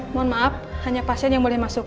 mohon maaf hanya pasien yang boleh masuk